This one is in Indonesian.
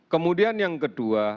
kemudian yang kedua